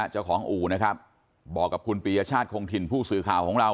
อู่นะครับบอกกับคุณปียชาติคงถิ่นผู้สื่อข่าวของเรา